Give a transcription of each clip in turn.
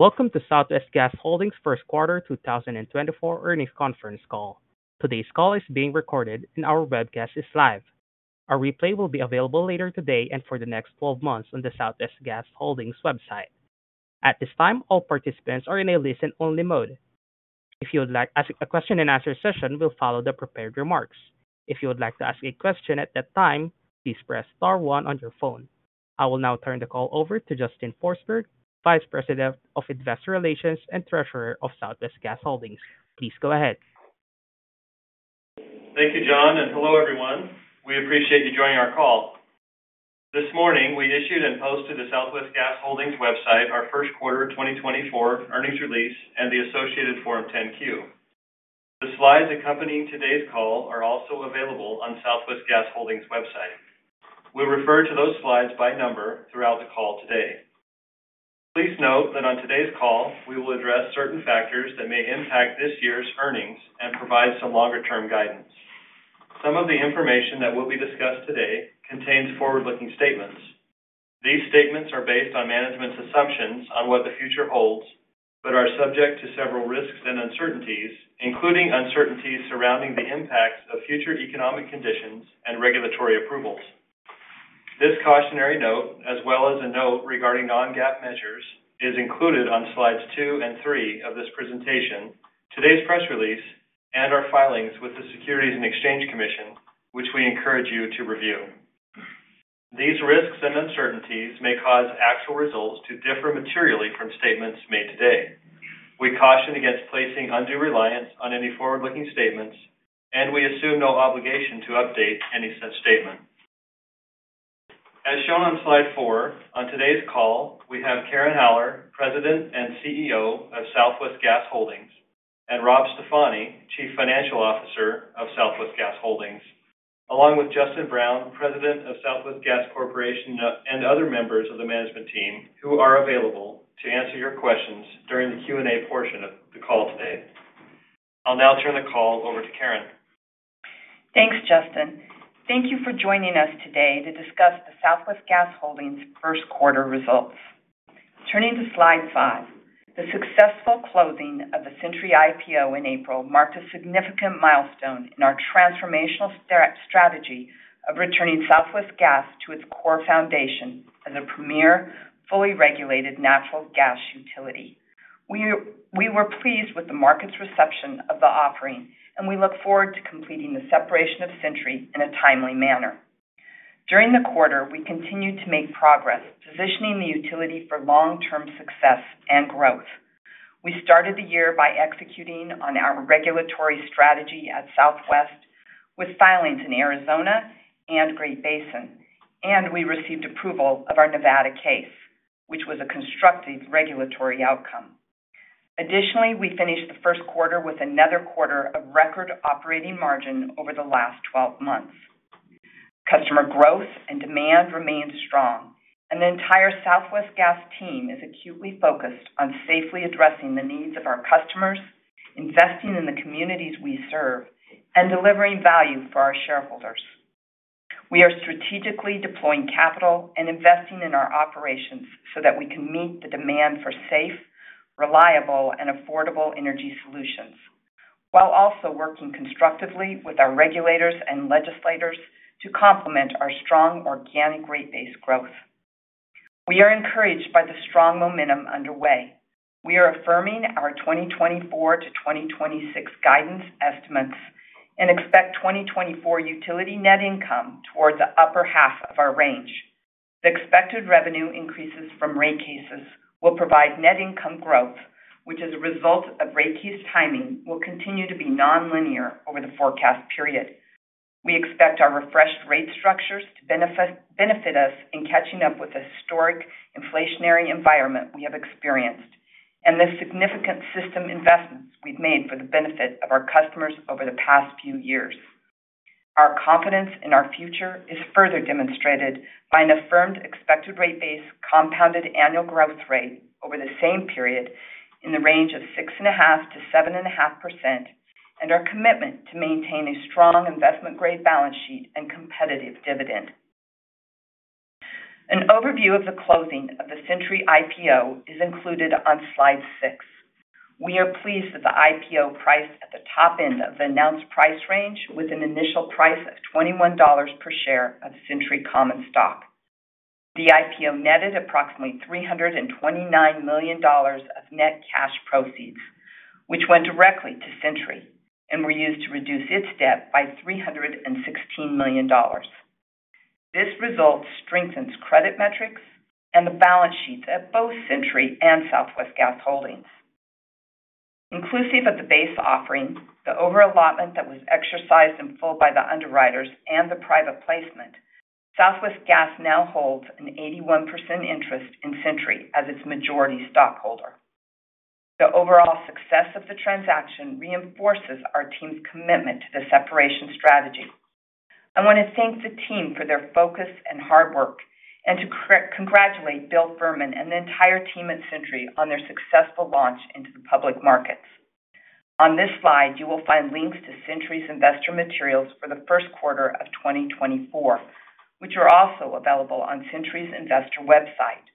Welcome to Southwest Gas Holdings' 1st Quarter 2024 Earnings Conference Call. Today's call is being recorded, and our webcast is live. Our replay will be available later today and for the next 12 months on the Southwest Gas Holdings website. At this time, all participants are in a listen-only mode. If you would like to ask a question and answer session, we'll follow the prepared remarks. If you would like to ask a question at that time, please press star one on your phone. I will now turn the call over to Justin Forsberg, Vice President of Investor Relations and Treasurer of Southwest Gas Holdings. Please go ahead. Thank you, John, and hello everyone. We appreciate you joining our call. This morning, we issued and posted on the Southwest Gas Holdings website our first Quarter 2024 Earnings Release and the associated Form 10-Q. The slides accompanying today's call are also available on Southwest Gas Holdings' website. We'll refer to those slides by number throughout the call today. Please note that on today's call, we will address certain factors that may impact this year's earnings and provide some longer-term guidance. Some of the information that will be discussed today contains forward-looking statements. These statements are based on management's assumptions on what the future holds, but are subject to several risks and uncertainties, including uncertainties surrounding the impacts of future economic conditions and regulatory approvals. This cautionary note, as well as a note regarding non-GAAP measures, is included on slides two and three of this presentation, today's press release, and our filings with the Securities and Exchange Commission, which we encourage you to review. These risks and uncertainties may cause actual results to differ materially from statements made today. We caution against placing undue reliance on any forward-looking statements, and we assume no obligation to update any such statement. As shown on slide four, on today's call, we have Karen Haller, President and CEO of Southwest Gas Holdings, and Rob Stefani, Chief Financial Officer of Southwest Gas Holdings, along with Justin Brown, President of Southwest Gas Corporation, and other members of the management team who are available to answer your questions during the Q&A portion of the call today. I'll now turn the call over to Karen. Thanks, Justin. Thank you for joining us today to discuss the Southwest Gas Holdings' first quarter results. Turning to slide five, the successful closing of the Centuri IPO in April marked a significant milestone in our transformational strategy of returning Southwest Gas to its core foundation as a premier, fully regulated natural gas utility. We were pleased with the market's reception of the offering, and we look forward to completing the separation of Centuri in a timely manner. During the quarter, we continued to make progress positioning the utility for long-term success and growth. We started the year by executing on our regulatory strategy at Southwest with filings in Arizona and Great Basin, and we received approval of our Nevada case, which was a constructive regulatory outcome. Additionally, we finished the first quarter with another quarter of record operating margin over the last 12 months. Customer growth and demand remain strong, and the entire Southwest Gas team is acutely focused on safely addressing the needs of our customers, investing in the communities we serve, and delivering value for our shareholders. We are strategically deploying capital and investing in our operations so that we can meet the demand for safe, reliable, and affordable energy solutions, while also working constructively with our regulators and legislators to complement our strong organic rate base growth. We are encouraged by the strong momentum underway. We are affirming our 2024 to 2026 guidance estimates and expect 2024 utility net income toward the upper half of our range. The expected revenue increases from rate cases will provide net income growth, which as a result of rate case timing will continue to be nonlinear over the forecast period. We expect our refreshed rate structures to benefit us in catching up with the historic inflationary environment we have experienced and the significant system investments we've made for the benefit of our customers over the past few years. Our confidence in our future is further demonstrated by an affirmed expected rate base compounded annual growth rate over the same period in the range of 6.5% to 7.5% and our commitment to maintain a strong investment-grade balance sheet and competitive dividend. An overview of the closing of the Centuri IPO is included on slide six. We are pleased that the IPO priced at the top end of the announced price range with an initial price of $21 per share of Centuri Common Stock. The IPO netted approximately $329 million of net cash proceeds, which went directly to Centuri and were used to reduce its debt by $316 million. This result strengthens credit metrics and the balance sheets at both Centuri and Southwest Gas Holdings. Inclusive of the base offering, the overall allotment that was exercised in full by the underwriters and the private placement, Southwest Gas now holds an 81% interest in Centuri as its majority stockholder. The overall success of the transaction reinforces our team's commitment to the separation strategy. I want to thank the team for their focus and hard work, and to congratulate Bill Fehrman and the entire team at Centuri on their successful launch into the public markets. On this slide, you will find links to Centuri's investor materials for the first quarter of 2024, which are also available on Centuri's investor website.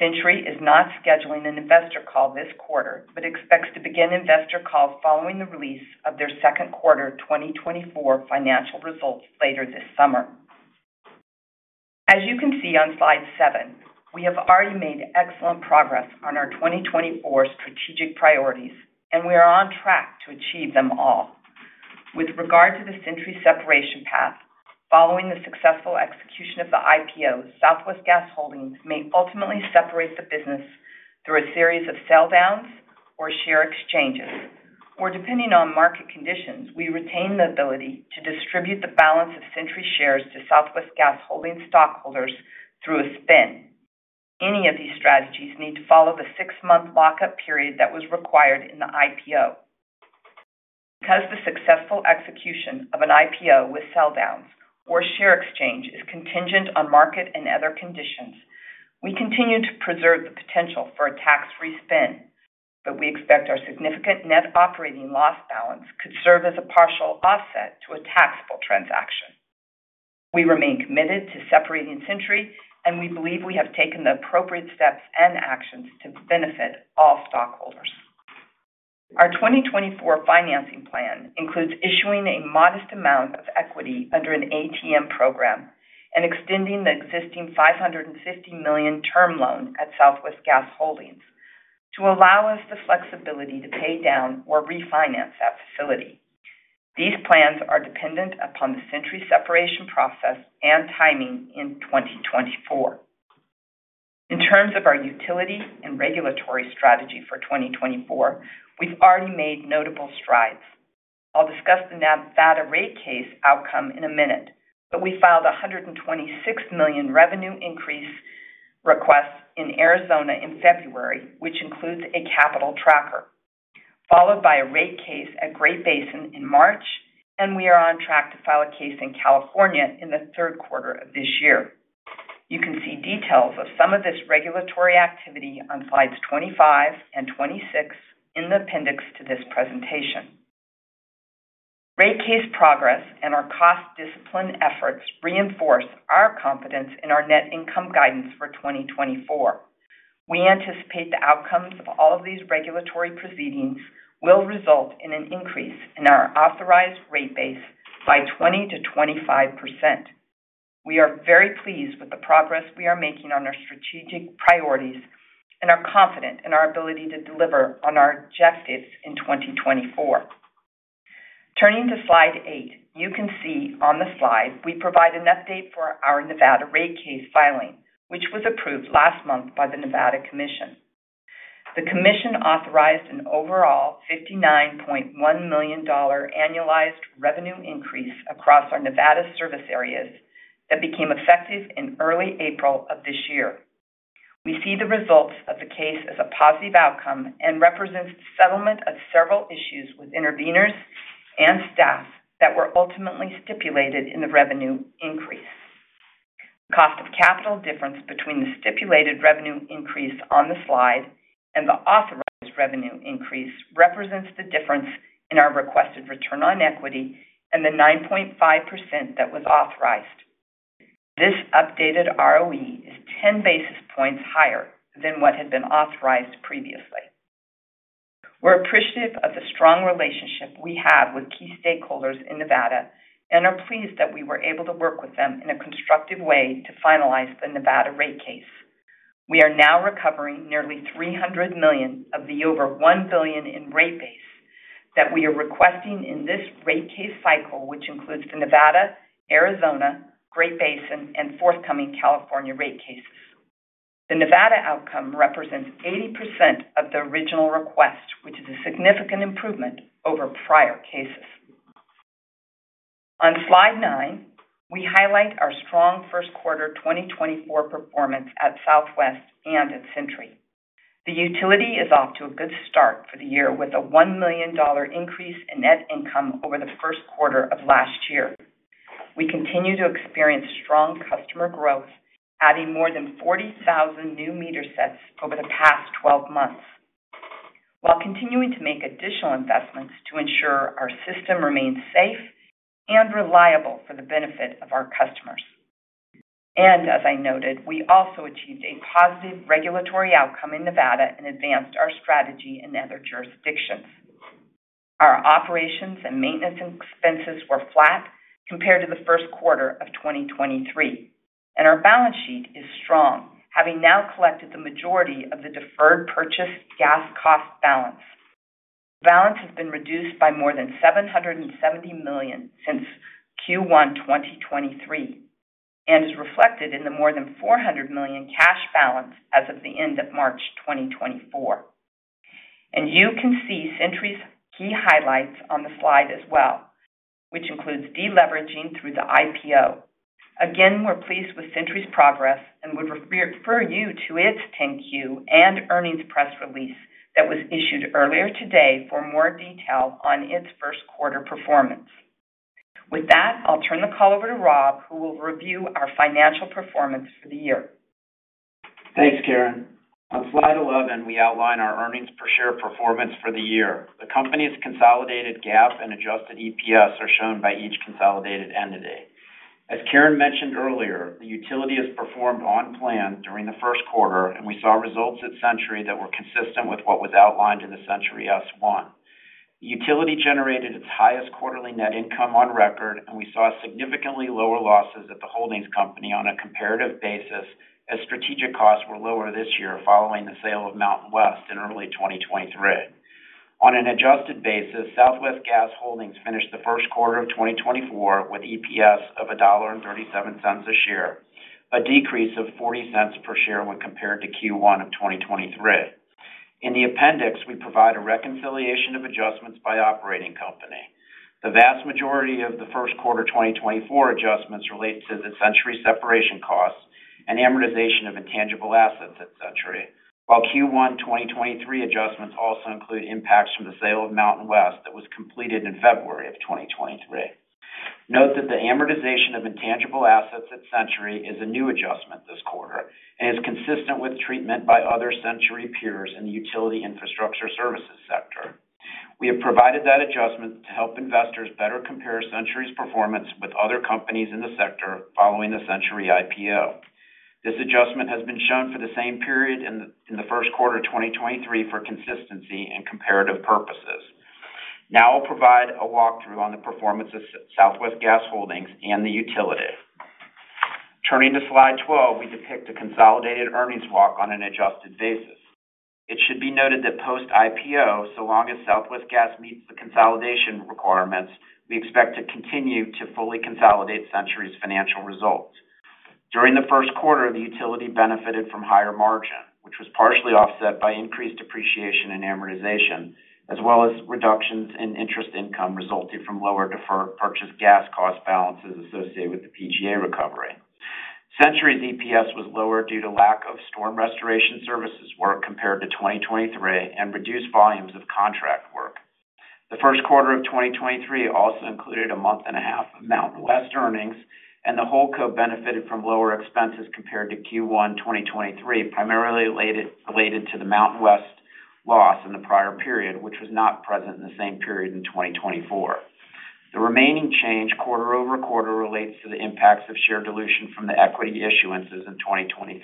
Centuri is not scheduling an investor call this quarter but expects to begin investor calls following the release of their second quarter 2024 financial results later this summer. As you can see on slide seven, we have already made excellent progress on our 2024 strategic priorities, and we are on track to achieve them all. With regard to the Centuri separation path, following the successful execution of the IPO, Southwest Gas Holdings may ultimately separate the business through a series of sell-downs or share exchanges, or depending on market conditions, we retain the ability to distribute the balance of Centuri shares to Southwest Gas Holdings' stockholders through a spin. Any of these strategies need to follow the six-month lockup period that was required in the IPO. Because the successful execution of an IPO with sell-downs or share exchange is contingent on market and other conditions, we continue to preserve the potential for a tax-free spin, but we expect our significant net operating loss balance could serve as a partial offset to a taxable transaction. We remain committed to separating Centuri, and we believe we have taken the appropriate steps and actions to benefit all stockholders. Our 2024 financing plan includes issuing a modest amount of equity under an ATM program and extending the existing $550 million term loan at Southwest Gas Holdings to allow us the flexibility to pay down or refinance that facility. These plans are dependent upon the Centuri separation process and timing in 2024. In terms of our utility and regulatory strategy for 2024, we've already made notable strides. I'll discuss the Nevada rate case outcome in a minute, but we filed a $126 million revenue increase request in Arizona in February, which includes a capital tracker, followed by a rate case at Great Basin in March, and we are on track to file a case in California in the 3rd Quarter of this year. You can see details of some of this regulatory activity on slides 25 and 26 in the appendix to this presentation. Rate case progress and our cost discipline efforts reinforce our confidence in our net income guidance for 2024. We anticipate the outcomes of all of these regulatory proceedings will result in an increase in our authorized rate base by 20% to 25%. We are very pleased with the progress we are making on our strategic priorities and are confident in our ability to deliver on our objectives in 2024. Turning to slide eight, you can see on the slide we provide an update for our Nevada rate case filing, which was approved last month by the Nevada Commission. The Commission authorized an overall $59.1 million annualized revenue increase across our Nevada service areas that became effective in early April of this year. We see the results of the case as a positive outcome and represents the settlement of several issues with intervenors and staff that were ultimately stipulated in the revenue increase. The cost of capital difference between the stipulated revenue increase on the slide and the authorized revenue increase represents the difference in our requested return on equity and the 9.5% that was authorized. This updated ROE is 10 basis points higher than what had been authorized previously. We're appreciative of the strong relationship we have with key stakeholders in Nevada and are pleased that we were able to work with them in a constructive way to finalize the Nevada rate case. We are now recovering nearly $300 million of the over $1 billion in rate base that we are requesting in this rate case cycle, which includes the Nevada, Arizona, Great Basin, and forthcoming California rate cases. The Nevada outcome represents 80% of the original request, which is a significant improvement over prior cases. On slide nine, we highlight our strong 1st Quarter 2024 performance at Southwest and at Centuri. The utility is off to a good start for the year with a $1 million increase in net income over the 1st Quarter of last year. We continue to experience strong customer growth, adding more than 40,000 new meter sets over the past 12 months, while continuing to make additional investments to ensure our system remains safe and reliable for the benefit of our customers. And as I noted, we also achieved a positive regulatory outcome in Nevada and advanced our strategy in other jurisdictions. Our operations and maintenance expenses were flat compared to the 1st Quarter of 2023, and our balance sheet is strong, having now collected the majority of the deferred purchased gas cost balance. The balance has been reduced by more than $770 million since Q1 2023 and is reflected in the more than $400 million cash balance as of the end of March 2024. You can see Centuri's key highlights on the slide as well, which includes deleveraging through the IPO. Again, we're pleased with Centuri's progress and would refer you to its 10-Q and earnings press release that was issued earlier today for more detail on its first quarter performance. With that, I'll turn the call over to Rob, who will review our financial performance for the year. Thanks, Karen. On slide 11, we outline our earnings per share performance for the year. The company's consolidated GAAP and adjusted EPS are shown by each consolidated entity. As Karen mentioned earlier, the utility has performed on plan during the 1st Quarter, and we saw results at Centuri that were consistent with what was outlined in the Centuri S-1. The utility generated its highest quarterly net income on record, and we saw significantly lower losses at the holdings company on a comparative basis as strategic costs were lower this year following the sale MountainWest in early 2023. On an adjusted basis, Southwest Gas Holdings finished the 1st Quarter of 2024 with EPS of $1.37 a share, a decrease of $0.40 per share when compared to Q1 of 2023. In the appendix, we provide a reconciliation of adjustments by operating company. The vast majority of the first quarter 2024 adjustments relate to the Centuri separation costs and amortization of intangible assets at Centuri, while Q1 2023 adjustments also include impacts from the sale MountainWest that was completed in February of 2023. Note that the amortization of intangible assets at Centuri is a new adjustment this quarter and is consistent with treatment by other Centuri peers in the utility infrastructure services sector. We have provided that adjustment to help investors better compare Centuri's performance with other companies in the sector following the Centuri IPO. This adjustment has been shown for the same period in the first quarter 2023 for consistency and comparative purposes. Now I'll provide a walkthrough on the performance of Southwest Gas Holdings and the utility. Turning to slide 12, we depict a consolidated earnings walk on an adjusted basis. It should be noted that post-IPO, so long as Southwest Gas meets the consolidation requirements, we expect to continue to fully consolidate Centuri's financial results. During the 1st Quarter, the utility benefited from higher margin, which was partially offset by increased depreciation and amortization, as well as reductions in interest income resulting from lower deferred purchased gas cost balances associated with the PGA recovery. Centuri's EPS was lower due to lack of storm restoration services work compared to 2023 and reduced volumes of contract work. The 1st Quarter of 2023 also included a month and a half MountainWest earnings, and the whole company benefited from lower expenses compared to Q1 2023, primarily related to MountainWest loss in the prior period, which was not present in the same period in 2024. The remaining change quarter-over-quarter relates to the impacts of share dilution from the equity issuances in 2023.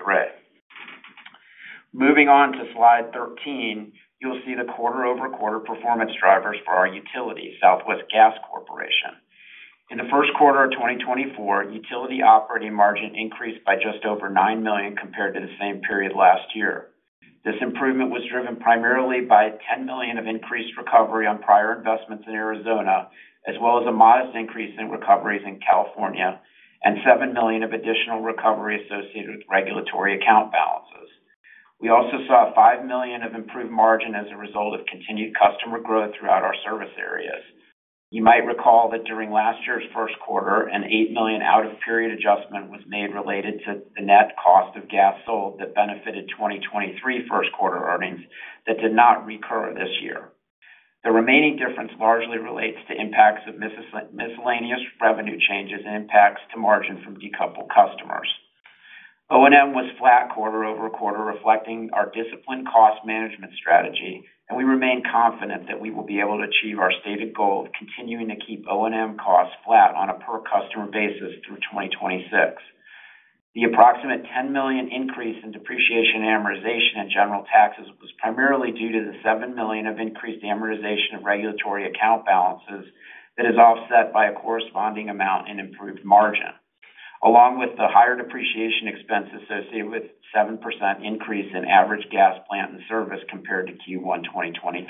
Moving on to Slide 13, you'll see the quarter-over-quarter performance drivers for our utility, Southwest Gas Corporation. In the 1st Quarter of 2024, utility operating margin increased by just over $9 million compared to the same period last year. This improvement was driven primarily by $10 million of increased recovery on prior investments in Arizona, as well as a modest increase in recoveries in California and $7 million of additional recovery associated with regulatory account balances. We also saw $5 million of improved margin as a result of continued customer growth throughout our service areas. You might recall that during last year's first quarter, an $8 million out-of-period adjustment was made related to the net cost of gas sold that benefited 2023 first quarter earnings that did not recur this year. The remaining difference largely relates to impacts of miscellaneous revenue changes and impacts to margin from decoupled customers. O&M was flat quarter-over-quarter, reflecting our disciplined cost management strategy, and we remain confident that we will be able to achieve our stated goal of continuing to keep O&M costs flat on a per-customer basis through 2026. The approximate $10 million increase in depreciation, amortization, and general taxes was primarily due to the $7 million of increased amortization of regulatory account balances that is offset by a corresponding amount in improved margin, along with the higher depreciation expense associated with a 7% increase in average gas plant and service compared to Q1 2023.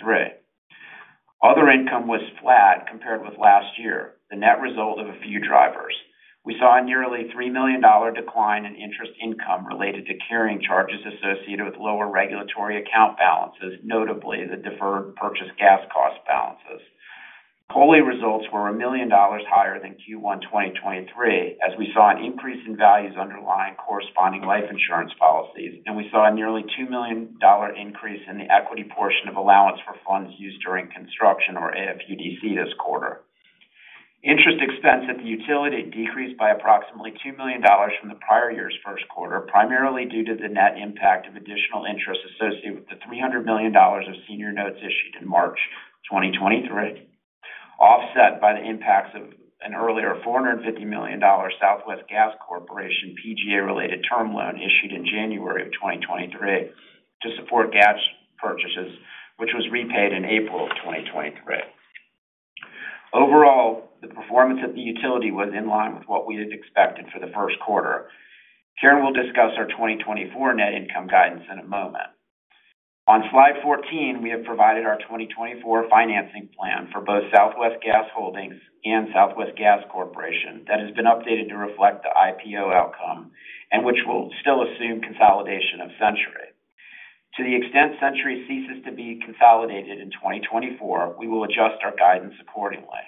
Other income was flat compared with last year, the net result of a few drivers. We saw a nearly $3 million decline in interest income related to carrying charges associated with lower regulatory account balances, notably the Deferred Purchased Gas Cost balances. COLI results were $1 million higher than Q1 2023, as we saw an increase in values underlying corresponding life insurance policies, and we saw a nearly $2 million increase in the equity portion of allowance for funds used during construction or AFUDC this quarter. Interest expense at the utility decreased by approximately $2 million from the prior year's 1st Quarter, primarily due to the net impact of additional interest associated with the $300 million of senior notes issued in March 2023, offset by the impacts of an earlier $450 million Southwest Gas Corporation PGA-related term loan issued in January of 2023 to support gas purchases, which was repaid in April of 2023. Overall, the performance at the utility was in line with what we had expected for the 1st Quarter. Karen will discuss our 2024 net income guidance in a moment. On slide 14, we have provided our 2024 financing plan for both Southwest Gas Holdings and Southwest Gas Corporation that has been updated to reflect the IPO outcome and which will still assume consolidation of Centuri. To the extent Centuri ceases to be consolidated in 2024, we will adjust our guidance accordingly.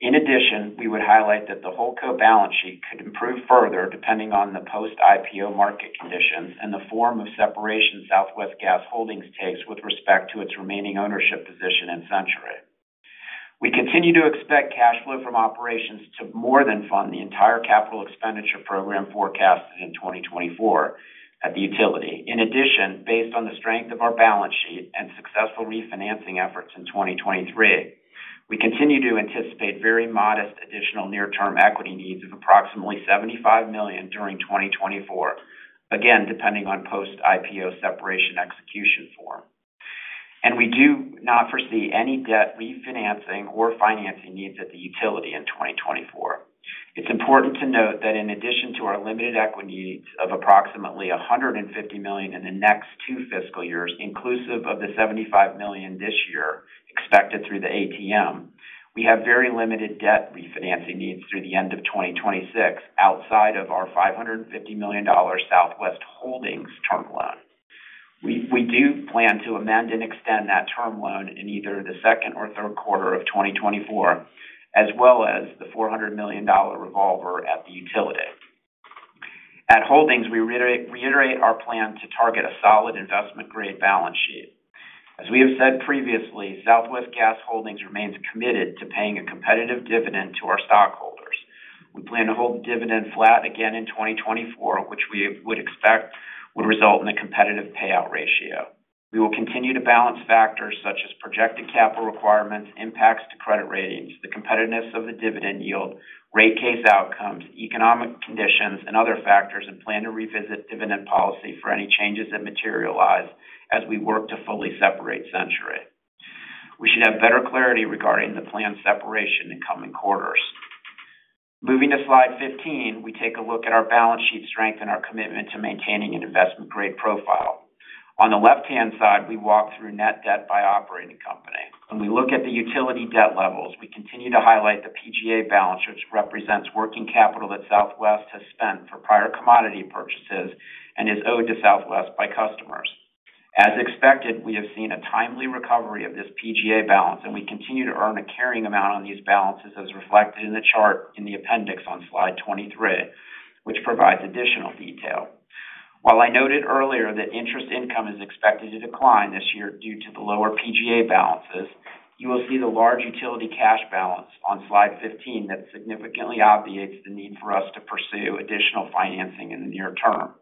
In addition, we would highlight that the HoldCo balance sheet could improve further depending on the post-IPO market conditions and the form of separation Southwest Gas Holdings takes with respect to its remaining ownership position in Centuri. We continue to expect cash flow from operations to more than fund the entire capital expenditure program forecasted in 2024 at the utility. In addition, based on the strength of our balance sheet and successful refinancing efforts in 2023, we continue to anticipate very modest additional near-term equity needs of approximately $75 million during 2024, again depending on post-IPO separation execution form. We do not foresee any debt refinancing or financing needs at the utility in 2024. It's important to note that in addition to our limited equity needs of approximately $150 million in the next two fiscal years, inclusive of the $75 million this year expected through the ATM, we have very limited debt refinancing needs through the end of 2026 outside of our $550 million Southwest Gas Holdings term loan. We do plan to amend and extend that term loan in either the second or third quarter of 2024, as well as the $400 million revolver at the utility. At Holdings, we reiterate our plan to target a solid investment-grade balance sheet. As we have said previously, Southwest Gas Holdings remains committed to paying a competitive dividend to our stockholders. We plan to hold the dividend flat again in 2024, which we would expect would result in a competitive payout ratio. We will continue to balance factors such as projected capital requirements, impacts to credit ratings, the competitiveness of the dividend yield, rate case outcomes, economic conditions, and other factors, and plan to revisit dividend policy for any changes that materialize as we work to fully separate Centuri. We should have better clarity regarding the planned separation in coming quarters. Moving to slide 15, we take a look at our balance sheet strength and our commitment to maintaining an investment-grade profile. On the left-hand side, we walk through net debt by operating company, and we look at the utility debt levels. We continue to highlight the PGA balance, which represents working capital that Southwest has spent for prior commodity purchases and is owed to Southwest by customers. As expected, we have seen a timely recovery of this PGA balance, and we continue to earn a carrying amount on these balances as reflected in the chart in the appendix on slide 23, which provides additional detail. While I noted earlier that interest income is expected to decline this year due to the lower PGA balances, you will see the large utility cash balance on slide 15 that significantly obviates the need for us to pursue additional financing in the near term.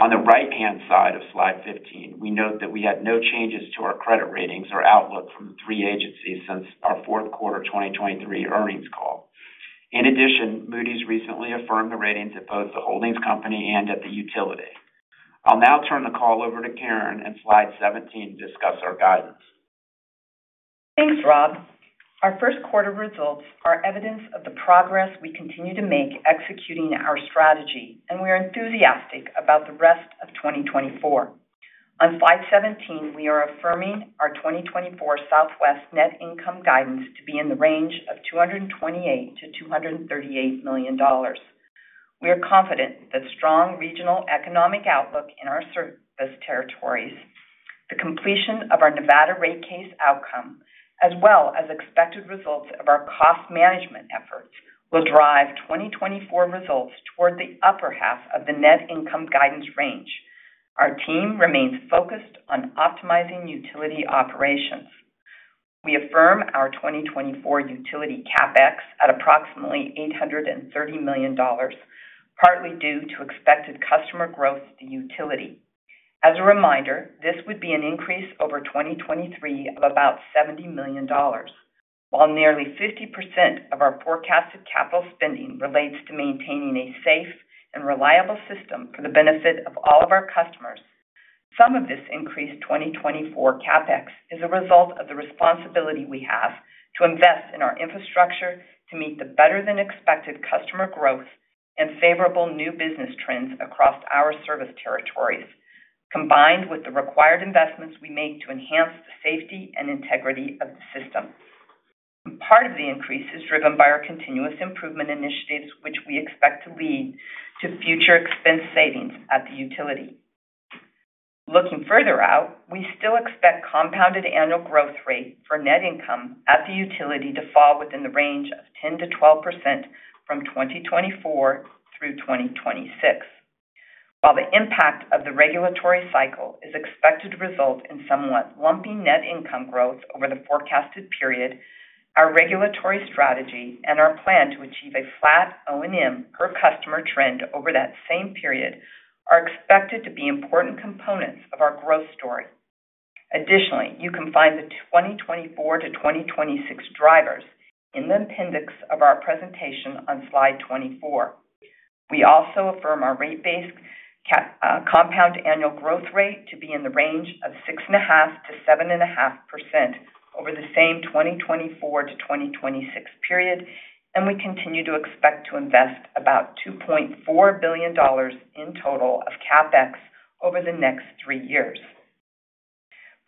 On the right-hand side of slide 15, we note that we had no changes to our credit ratings or outlook from the three agencies since our 4th Quarter 2023 earnings call. In addition, Moody's recently affirmed the ratings at both the holdings company and at the utility. I'll now turn the call over to Karen and slide 17 to discuss our guidance. Thanks, Rob. Our first quarter results are evidence of the progress we continue to make executing our strategy, and we are enthusiastic about the rest of 2024. On slide 17, we are affirming our 2024 Southwest net income guidance to be in the range of $228 to $238 million. We are confident that strong regional economic outlook in our service territories, the completion of our Nevada rate case outcome, as well as expected results of our cost management efforts will drive 2024 results toward the upper half of the net income guidance range. Our team remains focused on optimizing utility operations. We affirm our 2024 utility CapEx at approximately $830 million, partly due to expected customer growth to the utility. As a reminder, this would be an increase over 2023 of about $70 million. While nearly 50% of our forecasted capital spending relates to maintaining a safe and reliable system for the benefit of all of our customers, some of this increased 2024 CapEx is a result of the responsibility we have to invest in our infrastructure to meet the better-than-expected customer growth and favorable new business trends across our service territories, combined with the required investments we make to enhance the safety and integrity of the system. Part of the increase is driven by our continuous improvement initiatives, which we expect to lead to future expense savings at the utility. Looking further out, we still expect compounded annual growth rate for net income at the utility to fall within the range of 10% to 12% from 2024 through 2026. While the impact of the regulatory cycle is expected to result in somewhat lumpy net income growth over the forecasted period, our regulatory strategy and our plan to achieve a flat O&M per-customer trend over that same period are expected to be important components of our growth story. Additionally, you can find the 2024 to 2026 drivers in the appendix of our presentation on slide 24. We also affirm our rate base compound annual growth rate to be in the range of 6.5% to 7.5% over the same 2024 to 2026 period, and we continue to expect to invest about $2.4 billion in total of CapEx over the next three years.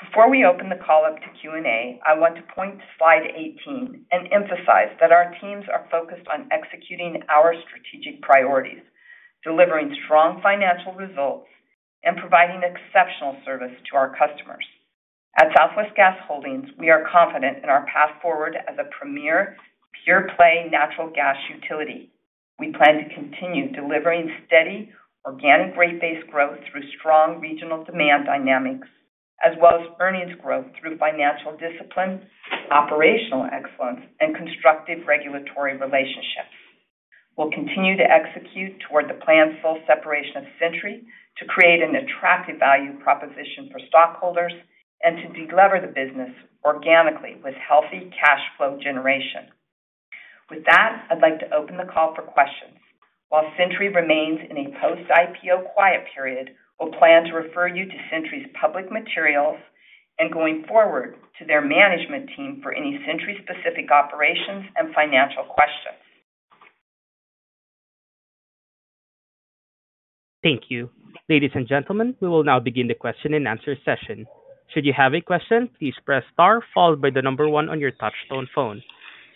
Before we open the call up to Q&A, I want to point to slide 18 and emphasize that our teams are focused on executing our strategic priorities, delivering strong financial results, and providing exceptional service to our customers. At Southwest Gas Holdings, we are confident in our path forward as a premier, pure-play natural gas utility. We plan to continue delivering steady, organic rate base growth through strong regional demand dynamics, as well as earnings growth through financial discipline, operational excellence, and constructive regulatory relationships. We'll continue to execute toward the planned full separation of Centuri to create an attractive value proposition for stockholders and to deliver the business organically with healthy cash flow generation. With that, I'd like to open the call for questions. While Centuri remains in a post-IPO quiet period, we'll plan to refer you to Centuri's public materials and going forward to their management team for any Centuri-specific operations and financial questions. Thank you. Ladies and gentlemen, we will now begin the question and answer session. Should you have a question, please press star followed by the number one on your touch-tone phone.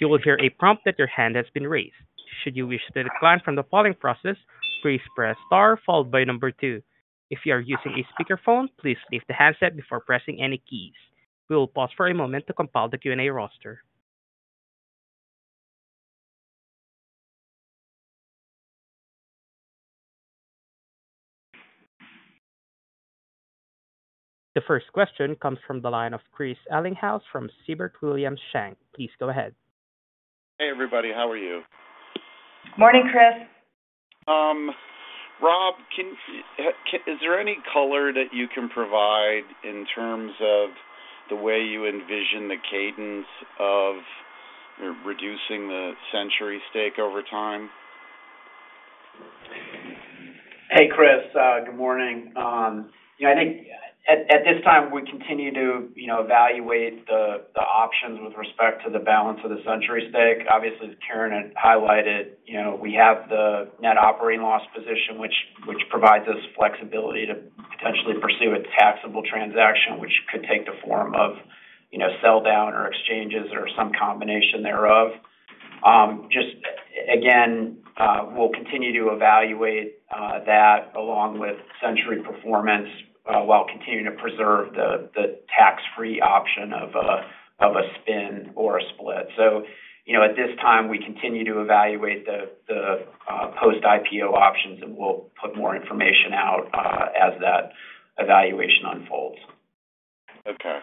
You will hear a prompt that your hand has been raised. Should you wish to decline from the following process, please press star followed by the number two. If you are using a speakerphone, please leave the handset before pressing any keys. We will pause for a moment to compile the Q&A roster. The first question comes from the line of Chris Ellinghaus from Siebert Williams Shank. Please go ahead. Hey, everybody. How are you? Morning, Chris. Rob, is there any color that you can provide in terms of the way you envision the cadence of reducing the Centuri stake over time? Hey, Chris. Good morning. I think at this time, we continue to evaluate the options with respect to the balance of the Centuri stake. Obviously, as Karen had highlighted, we have the net operating loss position, which provides us flexibility to potentially pursue a taxable transaction, which could take the form of sell-down or exchanges or some combination thereof. Again, we'll continue to evaluate that along with Centuri performance while continuing to preserve the tax-free option of a spin or a split. So at this time, we continue to evaluate the post-IPO options, and we'll put more information out as that evaluation unfolds. Okay.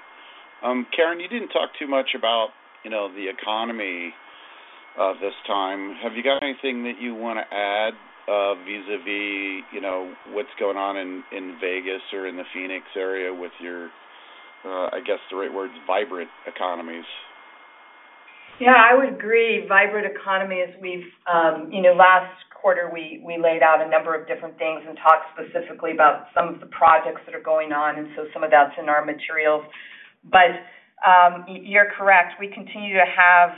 Karen, you didn't talk too much about the economy this time. Have you got anything that you want to add vis-à-vis what's going on in Vegas or in the Phoenix area with your, I guess, the right words, vibrant economies? Yeah, I would agree. Vibrant economies. Last quarter, we laid out a number of different things and talked specifically about some of the projects that are going on. And so some of that's in our materials. But you're correct. We continue to have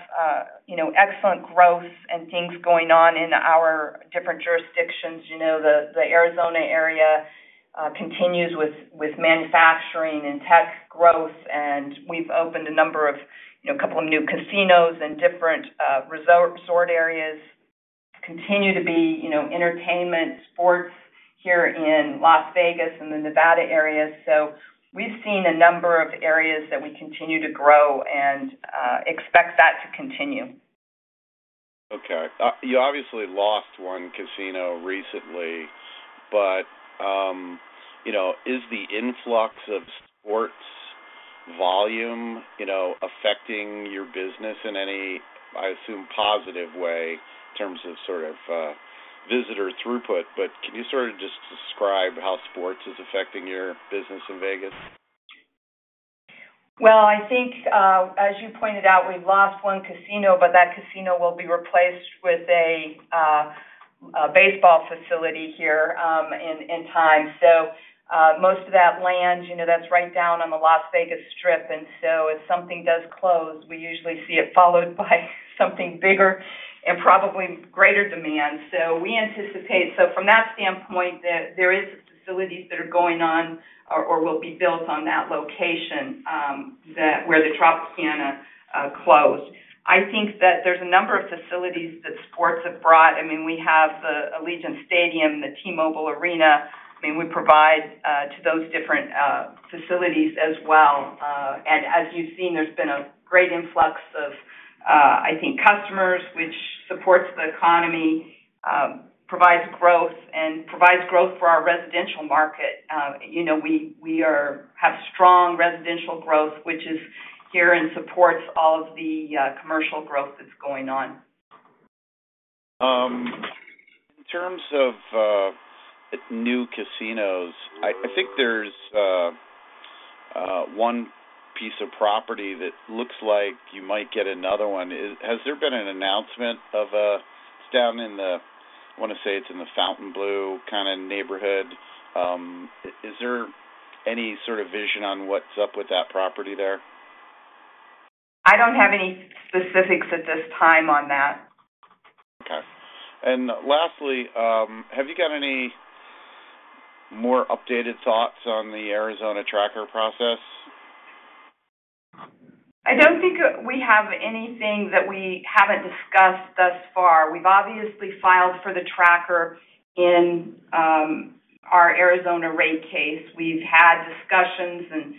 excellent growth and things going on in our different jurisdictions. The Arizona area continues with manufacturing and tech growth, and we've opened a number of a couple of new casinos in different resort areas. Continue to be entertainment, sports here in Las Vegas and the Nevada areas. So we've seen a number of areas that we continue to grow and expect that to continue. Okay. You obviously lost one casino recently, but is the influx of sports volume affecting your business in any, I assume, positive way in terms of sort of visitor throughput? But can you sort of just describe how sports is affecting your business in Vegas? Well, I think, as you pointed out, we've lost one casino, but that casino will be replaced with a baseball facility here in time. So most of that lands, that's right down on the Las Vegas Strip. And so if something does close, we usually see it followed by something bigger and probably greater demand. So we anticipate so from that standpoint, there are facilities that are going on or will be built on that location where the Tropicana closed. I think that there's a number of facilities that sports have brought. I mean, we have the Allegiant Stadium, the T-Mobile Arena. I mean, we provide to those different facilities as well. And as you've seen, there's been a great influx of, I think, customers, which supports the economy, provides growth, and provides growth for our residential market. We have strong residential growth, which is here and supports all of the commercial growth that's going on. In terms of new casinos, I think there's one piece of property that looks like you might get another one. Has there been an announcement? It's down in the, I want to say, it's in the Fontainebleau kind of neighborhood. Is there any sort of vision on what's up with that property there? I don't have any specifics at this time on that. Okay. Lastly, have you got any more updated thoughts on the Arizona Tracker process? I don't think we have anything that we haven't discussed thus far. We've obviously filed for the Tracker in our Arizona rate case. We've had discussions and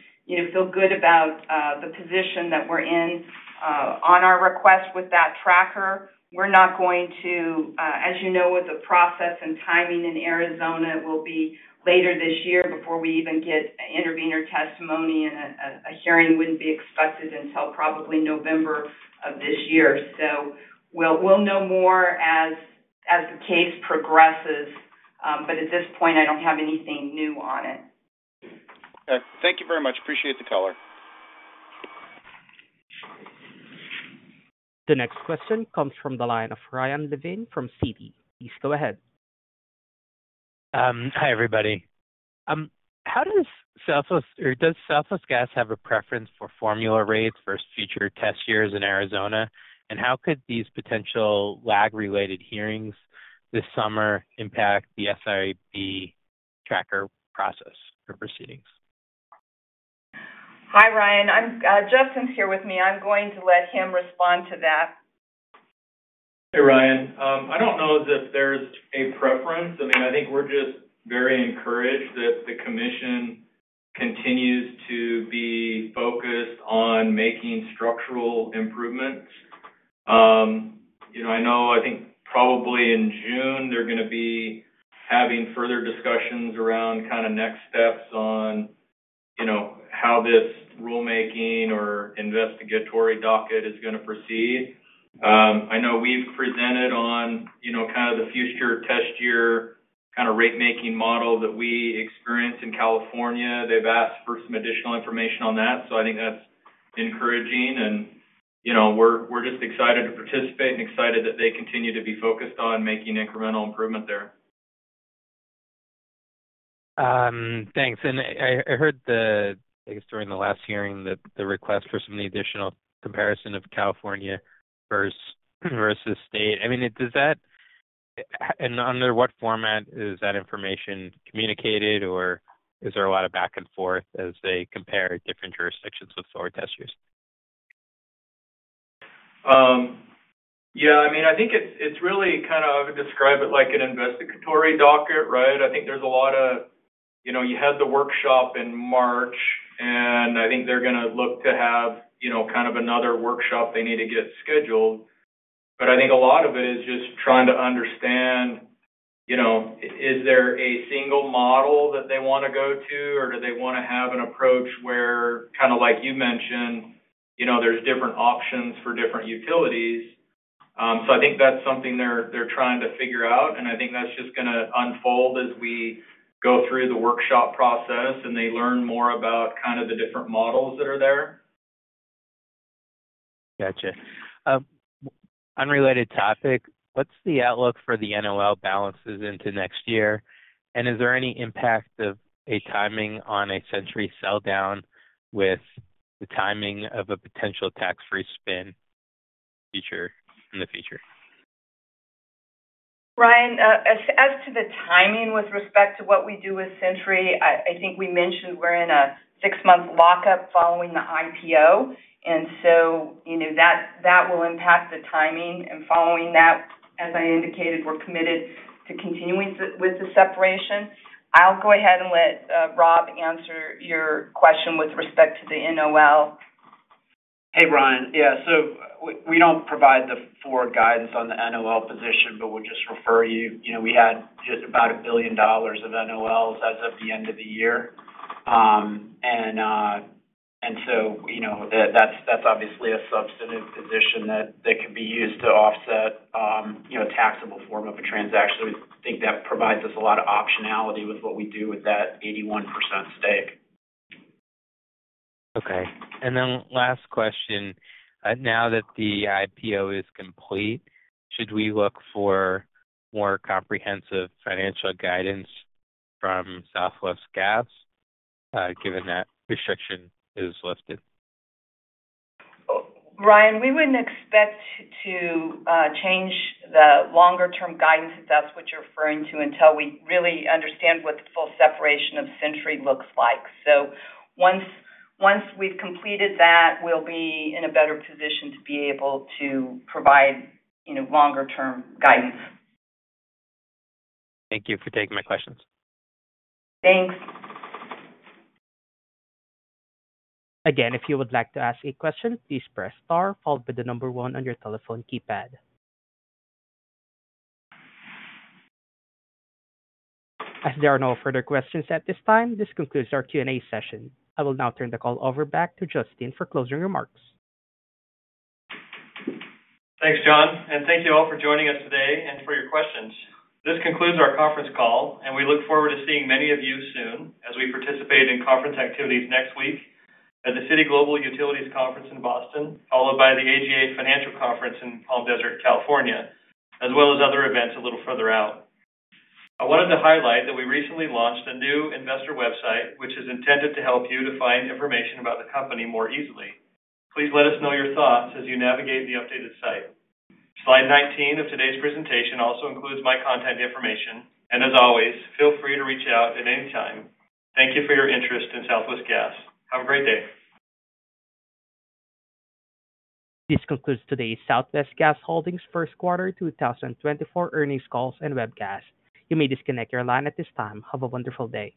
feel good about the position that we're in on our request with that Tracker. We're not going to, as you know, with the process and timing in Arizona, it will be later this year before we even get intervenor testimony, and a hearing wouldn't be expected until probably November of this year. So we'll know more as the case progresses. But at this point, I don't have anything new on it. Okay. Thank you very much. Appreciate the color. The next question comes from the line of Ryan Levine from Citi. Please go ahead. Hi, everybody. How does Southwest or does Southwest Gas have a preference for formula rates versus future test years in Arizona? And how could these potential lag-related hearings this summer impact the SIB Tracker process or proceedings? Hi, Ryan. Justin's here with me. I'm going to let him respond to that. Hey, Ryan. I don't know that there's a preference. I mean, I think we're just very encouraged that the commission continues to be focused on making structural improvements. I think probably in June, they're going to be having further discussions around kind of next steps on how this rulemaking or investigatory docket is going to proceed. I know we've presented on kind of the future test year kind of rate-making model that we experience in California. They've asked for some additional information on that. So I think that's encouraging. And we're just excited to participate and excited that they continue to be focused on making incremental improvement there. Thanks. I heard, I guess, during the last hearing that the request for some additional comparison of California versus state. I mean, does that and under what format is that information communicated, or is there a lot of back and forth as they compare different jurisdictions with four test years? Yeah. I mean, I think it's really kind of I would describe it like an investigatory docket, right? I think there's a lot of you had the workshop in March, and I think they're going to look to have kind of another workshop they need to get scheduled. But I think a lot of it is just trying to understand, is there a single model that they want to go to, or do they want to have an approach where kind of like you mentioned, there's different options for different utilities? So I think that's something they're trying to figure out. And I think that's just going to unfold as we go through the workshop process and they learn more about kind of the different models that are there. Gotcha. Unrelated topic, what's the outlook for the NOL balances into next year? And is there any impact of a timing on a Centuri sell-down with the timing of a potential tax-free spin in the future? Ryan, as to the timing with respect to what we do with Centuri, I think we mentioned we're in a six-month lockup following the IPO. And so that will impact the timing. And following that, as I indicated, we're committed to continuing with the separation. I'll go ahead and let Rob answer your question with respect to the NOL. Hey, Ryan. Yeah. So we don't provide the full guidance on the NOL position, but we'll just refer you. We had just about $1 billion of NOLs as of the end of the year. So that's obviously a substantive position that could be used to offset a taxable form of a transaction. We think that provides us a lot of optionality with what we do with that 81% stake. Okay. And then last question, now that the IPO is complete, should we look for more comprehensive financial guidance from Southwest Gas given that restriction is lifted? Ryan, we wouldn't expect to change the longer-term guidance that that's what you're referring to until we really understand what the full separation of Centuri looks like. So once we've completed that, we'll be in a better position to be able to provide longer-term guidance. Thank you for taking my questions. Thanks. Again, if you would like to ask a question, please press * followed by the number 1 on your telephone keypad. As there are no further questions at this time, this concludes our Q&A session. I will now turn the call over back to Justin for closing remarks. Thanks, John. Thank you all for joining us today and for your questions. This concludes our conference call, and we look forward to seeing many of you soon as we participate in conference activities next week at the Citi Global Utilities Conference in Boston, followed by the AGA Financial Conference in Palm Desert, California, as well as other events a little further out. I wanted to highlight that we recently launched a new investor website, which is intended to help you to find information about the company more easily. Please let us know your thoughts as you navigate the updated site. Slide 19 of today's presentation also includes my contact information. As always, feel free to reach out at any time. Thank you for your interest in Southwest Gas. Have a great day. This concludes today's Southwest Gas Holdings first quarter 2024 earnings calls and webcast. You may disconnect your line at this time. Have a wonderful day.